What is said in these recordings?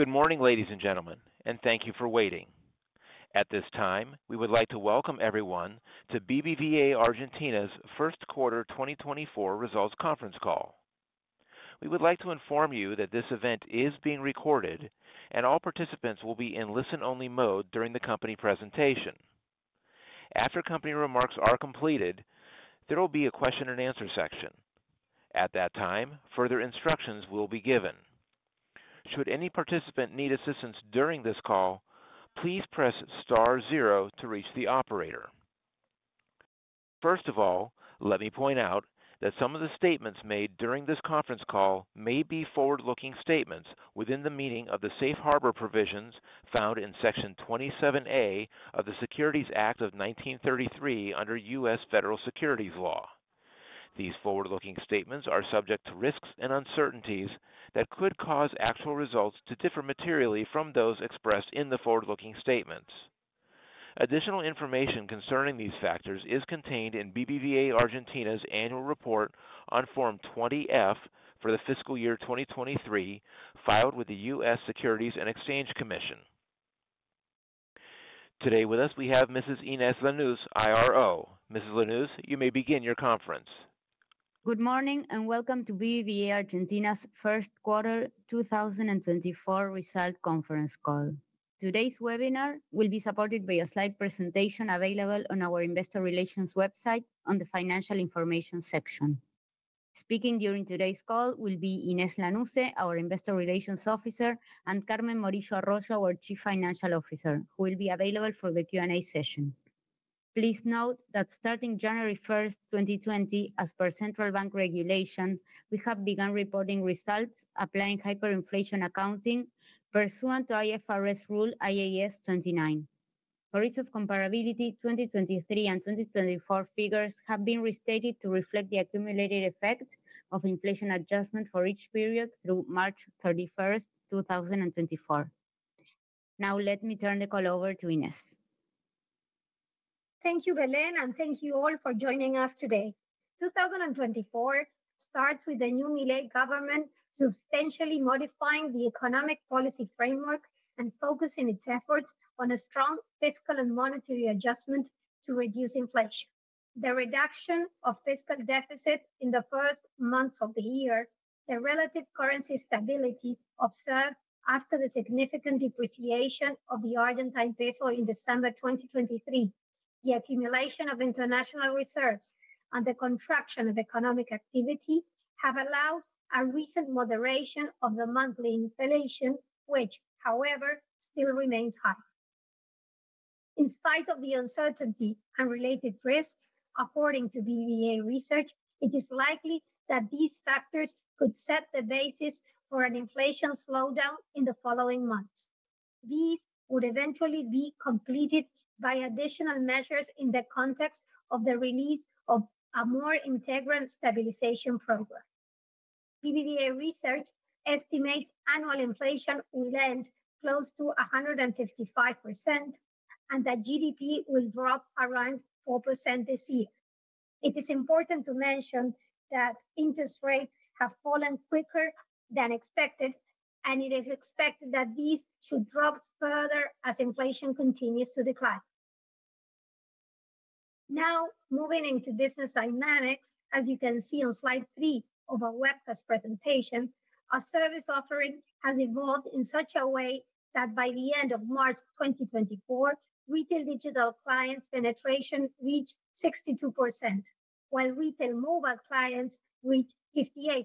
Good morning, ladies and gentlemen, and thank you for waiting. At this time, we would like to welcome everyone to BBVA Argentina's first quarter 2024 results conference call. We would like to inform you that this event is being recorded, and all participants will be in listen-only mode during the company presentation. After company remarks are completed, there will be a question and answer section. At that time, further instructions will be given. Should any participant need assistance during this call, please press star zero to reach the operator. First of all, let me point out that some of the statements made during this conference call may be forward-looking statements within the meaning of the safe harbor provisions found in Section 27A of the Securities Act of 1933 under U.S. Federal Securities Law. These forward-looking statements are subject to risks and uncertainties that could cause actual results to differ materially from those expressed in the forward-looking statements. Additional information concerning these factors is contained in BBVA Argentina's annual report on Form 20-F for the fiscal year 2023, filed with the U.S. Securities and Exchange Commission. Today with us, we have Mrs. Inés Lanusse, IRO. Mrs. Lanusse, you may begin your conference. Good morning, and welcome to BBVA Argentina's first quarter 2024 result conference call. Today's webinar will be supported by a slide presentation available on our investor relations website on the financial information section. Speaking during today's call will be Inés Lanusse, our Investor Relations Officer, and Carmen Morillo Arroyo, our Chief Financial Officer, who will be available for the Q&A session. Please note that starting January 1, 2020, as per Central Bank regulation, we have begun reporting results applying hyperinflation accounting pursuant to IFRS Rule IAS 29. For ease of comparability, 2023 and 2024 figures have been restated to reflect the accumulated effect of inflation adjustment for each period through March 31, 2024. Now, let me turn the call over to Inés. Thank you, Belén, and thank you all for joining us today. 2024 starts with the new Milei government substantially modifying the economic policy framework and focusing its efforts on a strong fiscal and monetary adjustment to reduce inflation. The reduction of fiscal deficit in the first months of the year, the relative currency stability observed after the significant depreciation of the Argentine peso in December 2023, the accumulation of international reserves, and the contraction of economic activity have allowed a recent moderation of the monthly inflation, which however, still remains high. In spite of the uncertainty and related risks, according to BBVA Research, it is likely that these factors could set the basis for an inflation slowdown in the following months. These would eventually be completed by additional measures in the context of the release of a more integrated stabilization program. BBVA Research estimates annual inflation will end close to 155%, and that GDP will drop around 4% this year. It is important to mention that interest rates have fallen quicker than expected, and it is expected that these should drop further as inflation continues to decline. Now, moving into business dynamics, as you can see on Slide 3 of our webcast presentation, our service offering has evolved in such a way that by the end of March 2024, retail digital clients penetration reached 62%, while retail mobile clients reached 58%.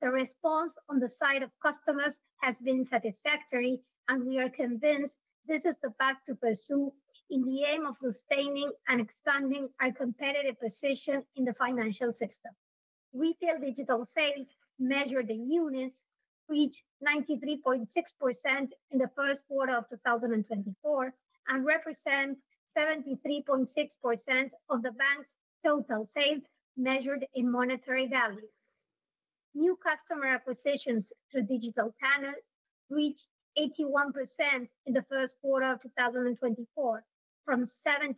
The response on the side of customers has been satisfactory, and we are convinced this is the path to pursue in the aim of sustaining and expanding our competitive position in the financial system. Retail digital sales, measured in units, reached 93.6% in the first quarter of 2024 and represent 73.6% of the bank's total sales, measured in monetary value. New customer acquisitions through digital channels reached 81% in the first quarter of 2024, from 76%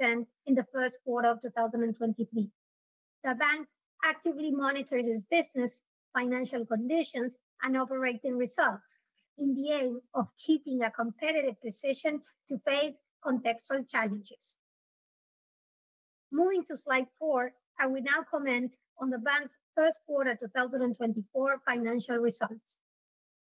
in the first quarter of 2023. The bank actively monitors its business, financial conditions, and operating results in the aim of keeping a competitive position to face contextual challenges. Moving to a Slide 4, I will now comment on the bank's first quarter 2024 financial results.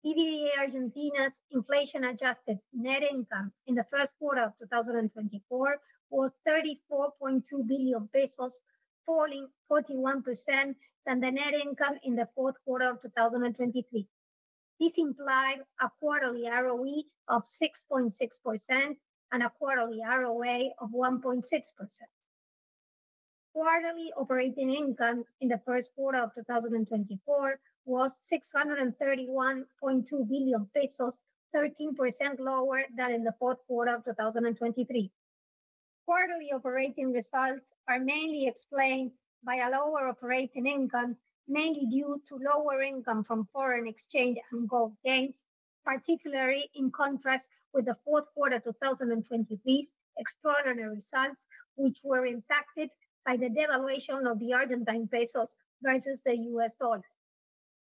BBVA Argentina's inflation-adjusted net income in the first quarter of 2024 was 34.2 billion pesos, falling 41% than the net income in the fourth quarter of 2023. This implies a quarterly ROE of 6.6% and a quarterly ROA of 1.6%. Quarterly operating income in the first quarter of 2024 was 631.2 billion pesos, 13% lower than in the fourth quarter of 2023. Quarterly operating results are mainly explained by a lower operating income, mainly due to lower income from foreign exchange and gold gains... particularly in contrast with the fourth quarter 2023 extraordinary results, which were impacted by the devaluation of the Argentine pesos versus the US dollar.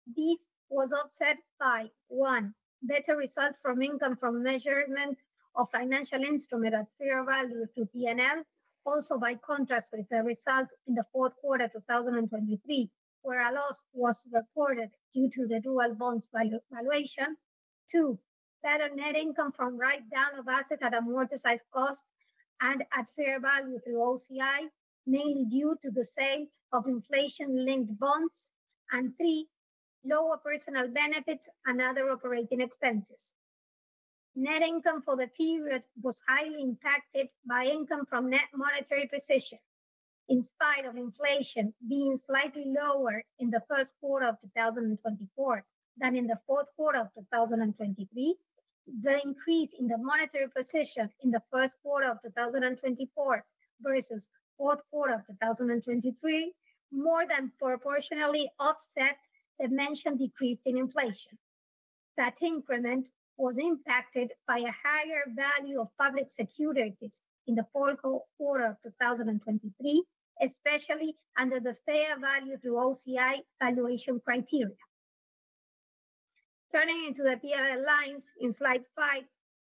This was offset by, one, better results from income from measurement of financial instrument at fair value to P&L. Also, by contrast with the results in the fourth quarter 2023, where a loss was recorded due to the dual bonds value valuation. 2, better net income from write-down of assets at amortized cost and at fair value through OCI, mainly due to the sale of inflation-linked bonds. And 3, lower personnel benefits and other operating expenses. Net income for the period was highly impacted by income from net monetary position. In spite of inflation being slightly lower in the first quarter of 2024 than in the fourth quarter of 2023, the increase in the monetary position in the first quarter of 2024 versus fourth quarter of 2023, more than proportionally offset the mentioned decrease in inflation. That increment was impacted by a higher value of public securities in the fourth quarter of 2023, especially under the fair value through OCI valuation criteria. Turning into the P&L lines in Slide 5,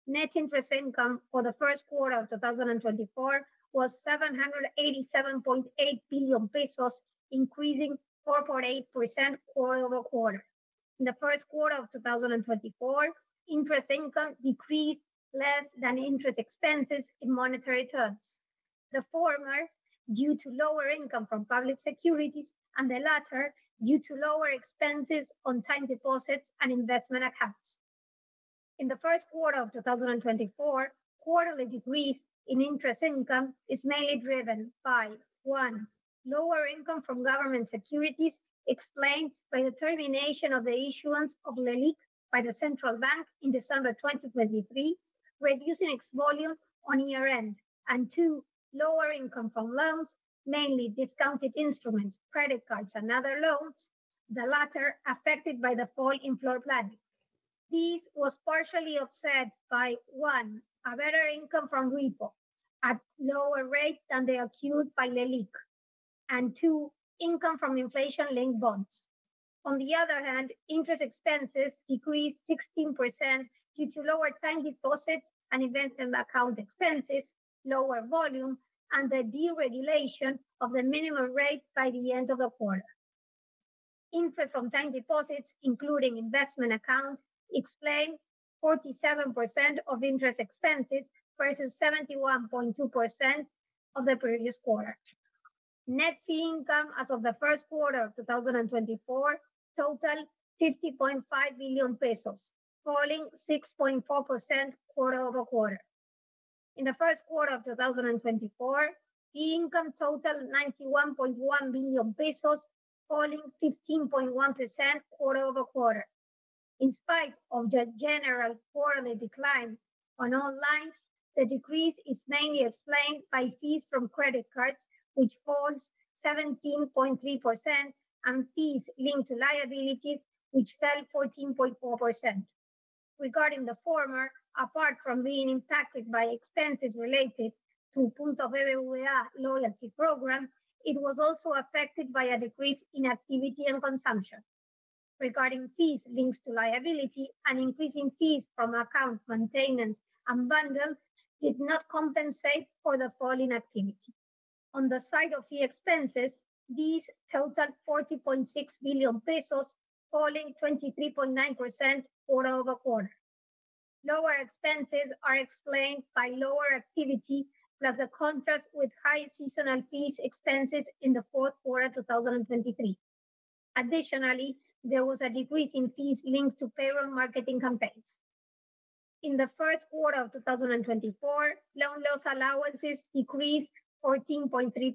net interest income for the first quarter of 2024 was 787.8 billion pesos, increasing 4.8% quarter-over-quarter. In the first quarter of 2024, interest income decreased less than interest expenses in monetary terms. The former, due to lower income from public securities, and the latter, due to lower expenses on time deposits and investment accounts. In the first quarter of 2024, quarterly decrease in interest income is mainly driven by, one, lower income from government securities, explained by the termination of the issuance of LELIQ by the Central Bank in December 2023, reducing its volume on year-end. And two, lower income from loans, mainly discounted instruments, credit cards, and other loans, the latter affected by the fall in floor planning. This was partially offset by, one, a better income from repo at lower rates than they accrued by LELIQ, and two, income from inflation-linked bonds. On the other hand, interest expenses decreased 16% due to lower time deposits and investment account expenses, lower volume, and the deregulation of the minimum rate by the end of the quarter. Interest from time deposits, including investment accounts, explain 47% of interest expenses versus 71.2% of the previous quarter. Net fee income as of the first quarter of 2024 totaled 50.5 billion pesos, falling 6.4% quarter-over-quarter. In the first quarter of 2024, fee income totaled ARS 91.1 billion, falling 15.1% quarter-over-quarter. In spite of the general quarterly decline on all lines, the decrease is mainly explained by fees from credit cards, which falls 17.3%, and fees linked to liability, which fell 14.4%. Regarding the former, apart from being impacted by expenses related to Puntos BBVA loyalty program, it was also affected by a decrease in activity and consumption. Regarding fees linked to liability, an increase in fees from account maintenance and bundle did not compensate for the fall in activity. On the side of fee expenses, these totaled 40.6 billion pesos, falling 23.9% quarter over quarter. Lower expenses are explained by lower activity, plus the contrast with high seasonal fees expenses in the fourth quarter of 2023. Additionally, there was a decrease in fees linked to payroll marketing campaigns. In the first quarter of 2024, loan loss allowances decreased 14.3%,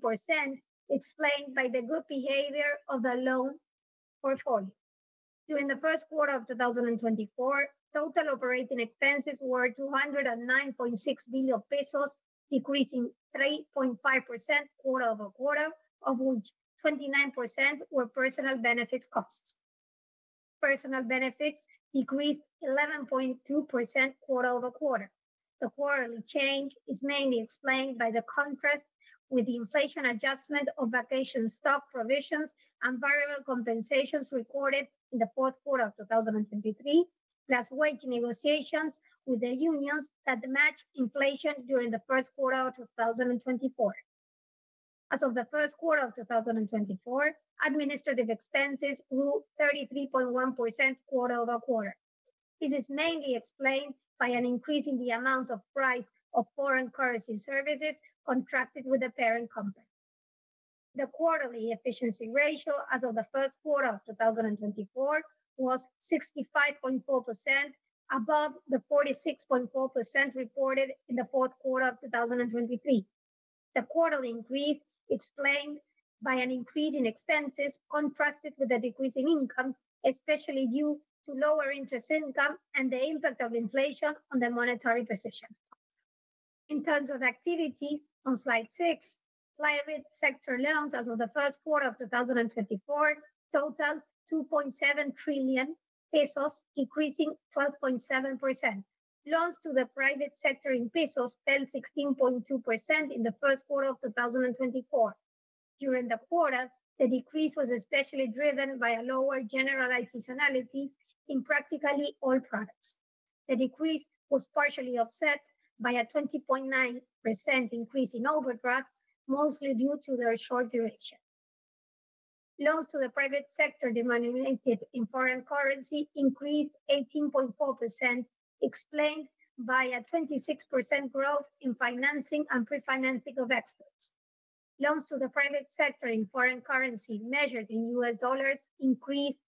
explained by the good behavior of the loan portfolio. During the first quarter of 2024, total operating expenses were 209.6 billion pesos, decreasing 3.5% quarter-over-quarter, of which 29% were personnel benefitss costs. Personal benefits decreased 11.2% quarter-over-quarter. The quarterly change is mainly explained by the contrast with the inflation adjustment of vacation stock provisions and variable compensations recorded in the fourth quarter of 2023, plus wage negotiations with the unions that matched inflation during the first quarter of 2024. As of the first quarter of 2024, administrative expenses grew 33.1% quarter-over-quarter. This is mainly explained by an increase in the amount of price of foreign currency services contracted with the parent company. The quarterly efficiency ratio as of the first quarter of 2024 was 65.4%, above the 46.4% reported in the fourth quarter of 2023. The quarterly increase explained by an increase in expenses contrasted with a decrease in income, especially due to lower interest income and the impact of inflation on the monetary position. In terms of activity, on Slide 6, private sector loans as of the first quarter of 2024 total ARS 2.7 trillion, decreasing 12.7%. Loans to the private sector in pesos fell 16.2% in the first quarter of 2024. During the quarter, the decrease was especially driven by a lower generalized seasonality in practically all products. The decrease was partially offset by a 20.9% increase in overdraft, mostly due to their short duration. Loans to the private sector denominated in foreign currency increased 18.4%, explained by a 26% growth in financing and pre-financing of exports. Loans to the private sector in foreign currency, measured in U.S. dollars, increased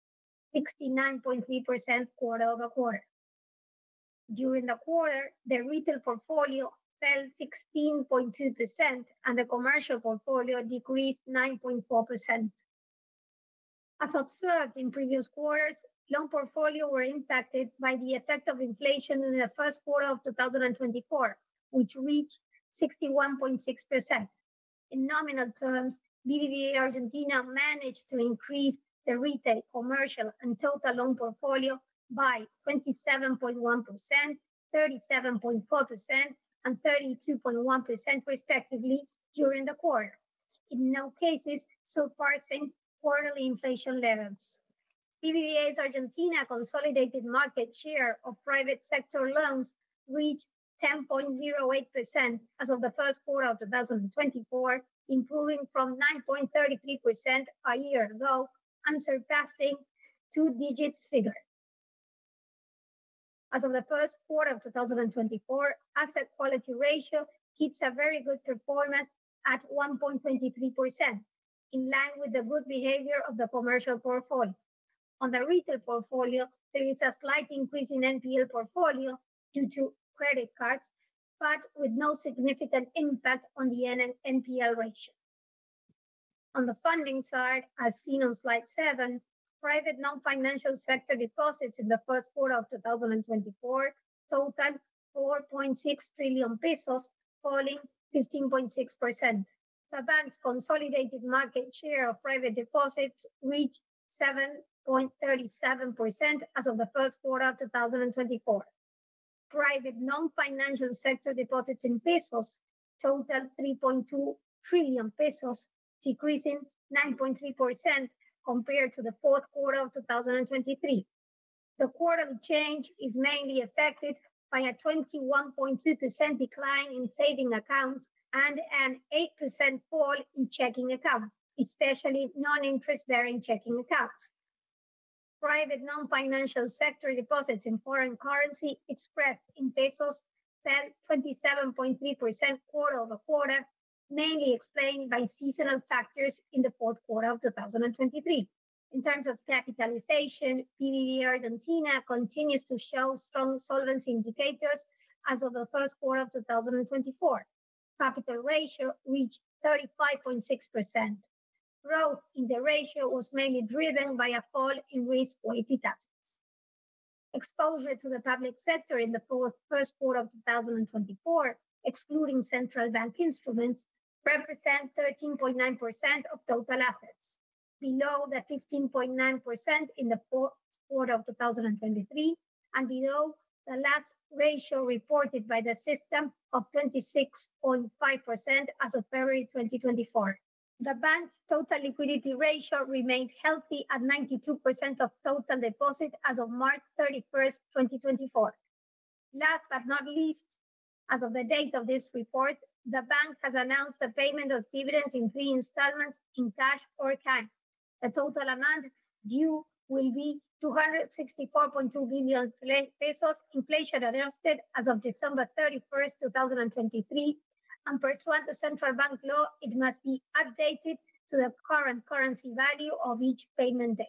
69.3% quarter-over-quarter. During the quarter, the retail portfolio fell 16.2%, and the commercial portfolio decreased 9.4%. As observed in previous quarters, loan portfolio were impacted by the effect of inflation in the first quarter of 2024, which reached 61.6%. In nominal terms, BBVA Argentina managed to increase the retail, commercial, and total loan portfolio by 27.1%, 37.4%, and 32.1%, respectively, during the quarter. In no cases so far seeing quarterly inflation levels. BBVA Argentina consolidated market share of private sector loans reached 10.08% as of the first quarter of 2024, improving from 9.33% a year ago and surpassing two-digit figure. As of the first quarter of 2024, asset quality ratio keeps a very good performance at 1.23%, in line with the good behavior of the commercial portfolio. On the retail portfolio, there is a slight increase in NPL portfolio due to credit cards, but with no significant impact on the NPL ratio. On the funding side, as seen on Slide 7, private non-financial sector deposits in the first quarter of 2024 totaled 4.6 trillion pesos, falling 15.6%. The bank's consolidated market share of private deposits reached 7.37% as of the first quarter of 2024. Private non-financial sector deposits in pesos totaled 3.2 trillion pesos, decreasing 9.3% compared to the fourth quarter of 2023. The quarter change is mainly affected by a 21.2% decline in savings accounts and an 8% fall in checking accounts, especially non-interest-bearing checking accounts. Private non-financial sector deposits in foreign currency, expressed in pesos, fell 27.3% quarter-over-quarter, mainly explained by seasonal factors in the fourth quarter of 2023. In terms of capitalization, BBVA Argentina continues to show strong solvency indicators as of the first quarter of 2024. Capital ratio reached 35.6%. Growth in the ratio was mainly driven by a fall in risk-weighted assets. Exposure to the public sector in the first quarter of 2024, excluding central bank instruments, represent 13.9% of total assets, below the 15.9% in the fourth quarter of 2023, and below the last ratio reported by the system of 26.5% as of February 2024. The bank's total liquidity ratio remained healthy at 92% of total deposit as of March 31, 2024. Last but not least, as of the date of this report, the bank has announced the payment of dividends in three installments in cash or kind. The total amount due will be 264.2 billion pesos, inflation-adjusted as of December 31, 2023, and pursuant to Central Bank law, it must be updated to the current currency value of each payment date.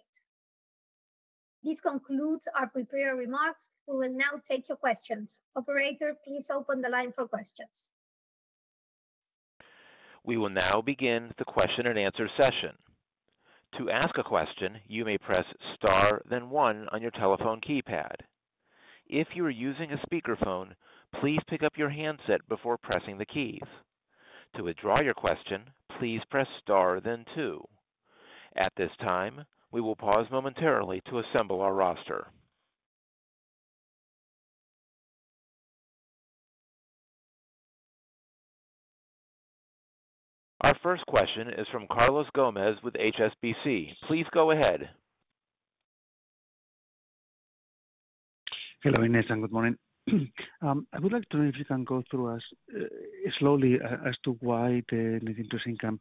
This concludes our prepared remarks. We will now take your questions. Operator, please open the line for questions. We will now begin the question and answer session. To ask a question, you may press star, then one on your telephone keypad. If you are using a speakerphone, please pick up your handset before pressing the keys. To withdraw your question, please press star, then two. At this time, we will pause momentarily to assemble our roster. Our first question is from Carlos Gomez with HSBC. Please go ahead. Hello, Inés, and good morning. I would like to know if you can go through as slowly as to why the net interest income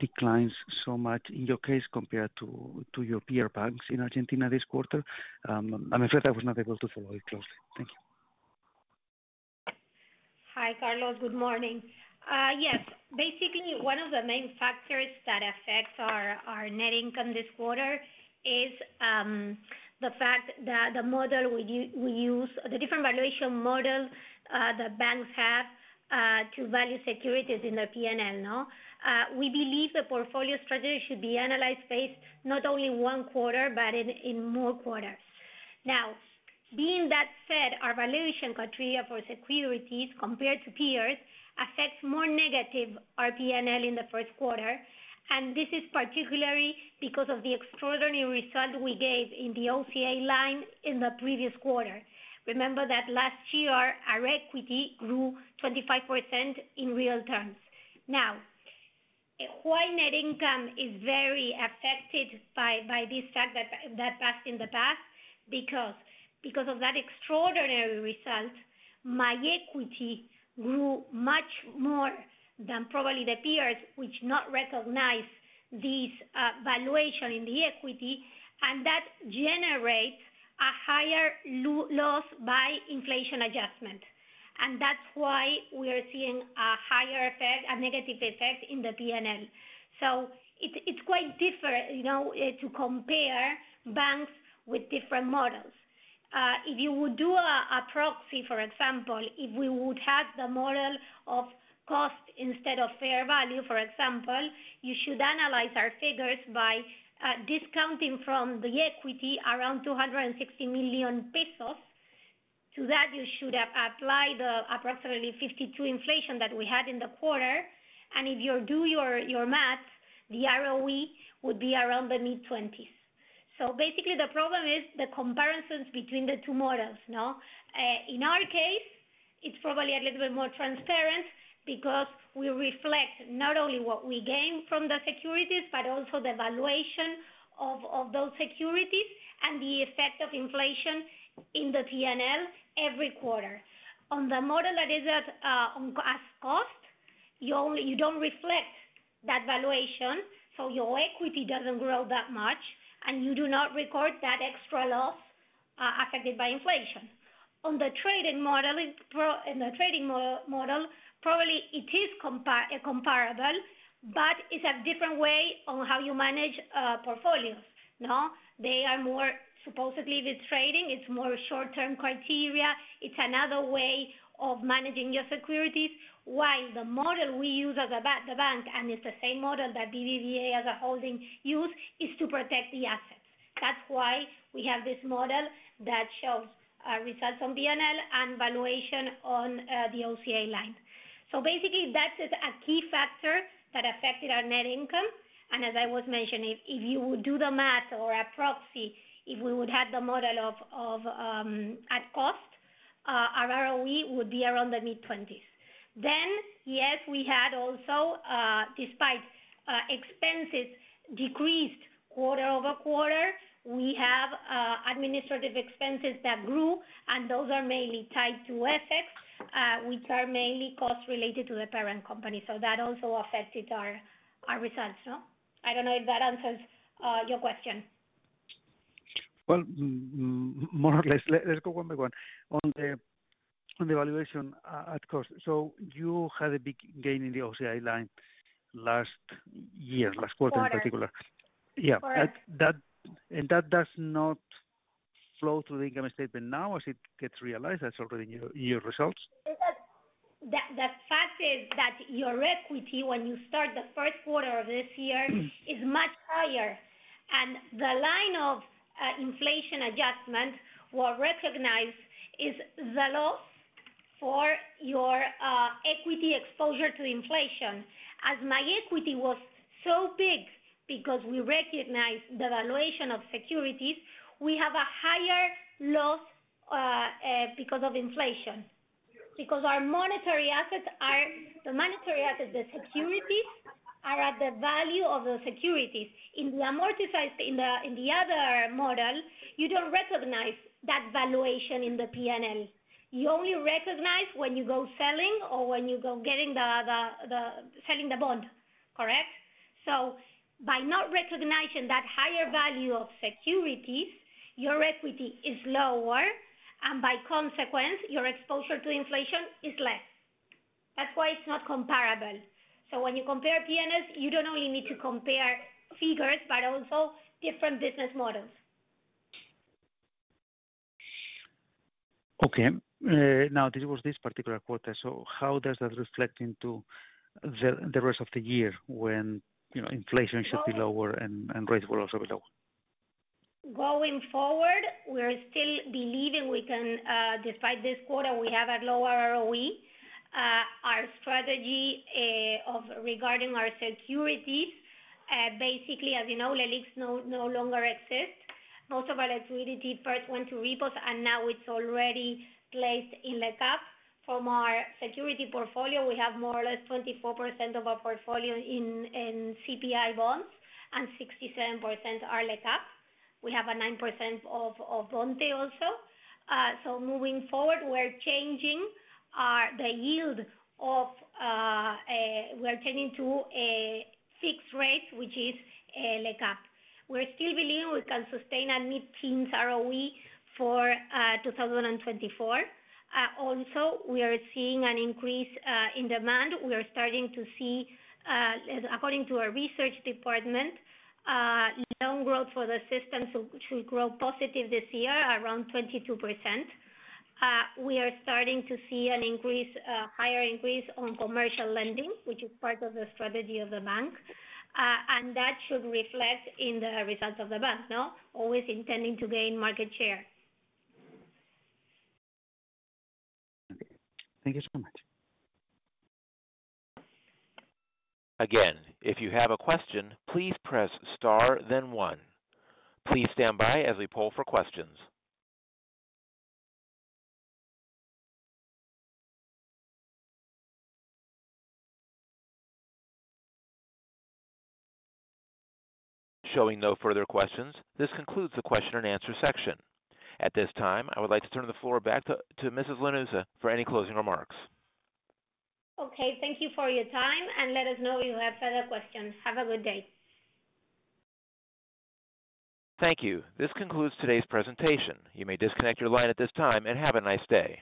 declines so much in your case, compared to your peer banks in Argentina this quarter. I'm afraid I was not able to follow it closely. Thank you. Hi, Carlos. Good morning. Yes. Basically, one of the main factors that affects our net income this quarter is the fact that the model we use—the different valuation model, the banks have to value securities in the PNL, no? We believe the portfolio strategy should be analyzed based not only one quarter, but in more quarters.... Now, being that said, our valuation criteria for securities compared to peers affects more negatively our PNL in the first quarter, and this is particularly because of the extraordinary result we gave in the OCI line in the previous quarter. Remember that last year, our equity grew 25% in real terms. Now, why net income is very affected by this fact that passed in the past? Because of that extraordinary result, my equity grew much more than probably the peers, which not recognize this valuation in the equity, and that generates a higher loss by inflation adjustment. And that's why we are seeing a higher effect, a negative effect in the PNL. So it's quite different, you know, to compare banks with different models. If you would do a proxy, for example, if we would have the model of cost instead of fair value, for example, you should analyze our figures by discounting from the equity around 260 million pesos. To that, you should have applied the approximately 52% inflation that we had in the quarter, and if you do your math, the ROE would be around the mid-20s. So basically, the problem is the comparisons between the two models, no? In our case, it's probably a little bit more transparent because we reflect not only what we gain from the securities, but also the valuation of those securities and the effect of inflation in the PNL every quarter. On the model that is at cost, you don't reflect that valuation, so your equity doesn't grow that much, and you do not record that extra loss affected by inflation. On the trading model, in the trading model, probably it is comparable, but it's a different way on how you manage portfolios, no? They are more supposedly with trading, it's more short-term criteria. It's another way of managing your securities, while the model we use as a bank, the bank, and it's the same model that BBVA as a holding use, is to protect the assets. That's why we have this model that shows results on PNL and valuation on the OCI line. So basically, that is a key factor that affected our net income, and as I was mentioning, if you would do the math or a proxy, if we would have the model of at cost, our ROE would be around the mid-twenties. Then, yes, we had also, despite expenses decreased quarter-over-quarter, we have administrative expenses that grew, and those are mainly tied to FX, which are mainly costs related to the parent company. So that also affected our results, no? I don't know if that answers your question. Well, more or less. Let's go one by one. On the valuation at cost. So you had a big gain in the OCI line last year, last quarter in particular. Correct. Yeah. Correct. That... And that does not flow through the income statement now, as it gets realized, that's already in your results? Is that the fact is that your equity, when you start the first quarter of this year, is much higher. And the line of inflation adjustment were recognized is the loss for your equity exposure to inflation. As my equity was so big because we recognized the valuation of securities, we have a higher loss because of inflation. Because our monetary assets are the monetary assets, the securities, are at the value of the securities. In the amortized in the other model, you don't recognize that valuation in the PNL. You only recognize when you go selling or when you go getting the selling the bond. Correct? So by not recognizing that higher value of securities, your equity is lower, and by consequence, your exposure to inflation is less. That's why it's not comparable. When you compare PNLs, you don't only need to compare figures but also different business models. Okay. Now, this was this particular quarter, so how does that reflect into the, the rest of the year when, you know, inflation should be lower and, and rates will also be lower? Going forward, we're still believing we can, despite this quarter, we have a lower ROE. Our strategy of regarding our securities, basically, as you know, LELIQs no longer exist. Most of our liquidity first went to repos, and now it's already placed in LECAP. From our security portfolio, we have more or less 24% of our portfolio in CPI bonds and 67% are LECAP. We have a 9% of Bonte also. So moving forward, we're changing our, the yield of, we are turning to a fixed rate, which is LECAP. We still believe we can sustain a mid-teens ROE for 2024. Also, we are seeing an increase in demand. We are starting to see, according to our research department, loan growth for the system should grow positive this year, around 22%. We are starting to see an increase, higher increase on commercial lending, which is part of the strategy of the bank. And that should reflect in the results of the bank, no? Always intending to gain market share. Thank you so much. Again, if you have a question, please press Star, then one. Please stand by as we poll for questions. Showing no further questions, this concludes the question and answer section. At this time, I would like to turn the floor back to, to Mrs. Lanusse for any closing remarks. Okay, thank you for your time, and let us know if you have further questions. Have a good day. Thank you. This concludes today's presentation. You may disconnect your line at this time and have a nice day.